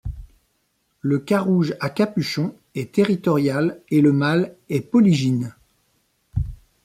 Le Carouge à capuchon est territoriale et le mâle est polygyne.